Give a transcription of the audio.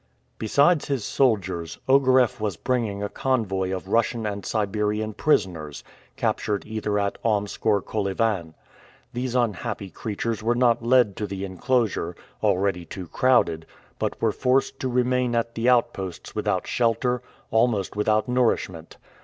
Besides his soldiers, Ogareff was bringing a convoy of Russian and Siberian prisoners, captured either at Omsk or Kolyvan. These unhappy creatures were not led to the enclosure already too crowded but were forced to remain at the outposts without shelter, almost without nourishment.